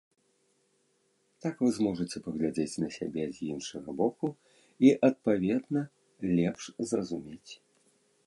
Так вы зможаце паглядзець на сябе з іншага боку, і, адпаведна, лепш зразумець.